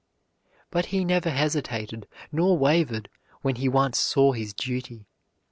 But he never hesitated nor wavered when he once saw his duty.